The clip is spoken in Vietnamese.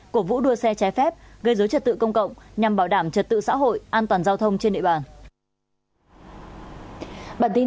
cổ vũ đua xe trái phép gây dối trật tự công cộng nhằm bảo đảm trật tự xã hội an toàn giao thông trên địa bàn